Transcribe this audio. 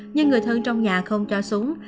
nhưng người thân trong nhà không cho xuống